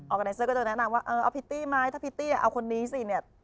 กาไนเซอร์ก็จะแนะนำว่าเออเอาพิตตี้ไหมถ้าพิตตี้เอาคนนี้สิเนี่ย